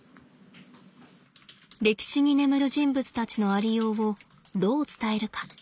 歴史に眠る人物たちのありようをどう伝えるか。